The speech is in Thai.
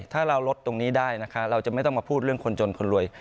ถ้าเราลดตรงนี้ได้นะคะเราจะไม่ต้องมาพูดเรื่องคนจนคนรวย